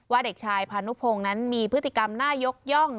เด็กชายพานุพงศ์นั้นมีพฤติกรรมน่ายกย่อง